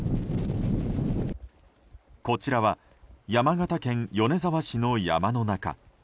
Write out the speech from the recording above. こちらは山形県米沢市の山の中。